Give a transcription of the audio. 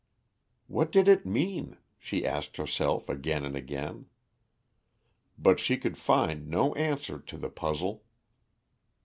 "What did it mean?" she asked herself again and again. But she could find no answer to the puzzle.